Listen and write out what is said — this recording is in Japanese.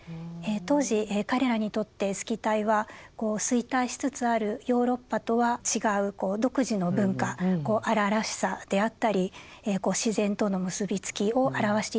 当時彼らにとってスキタイは衰退しつつあるヨーロッパとは違う独自の文化こう荒々しさであったり自然との結び付きを表していたのだと思います。